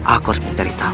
aku harus mencari tahu